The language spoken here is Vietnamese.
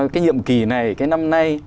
cái nhiệm kỳ này cái năm nay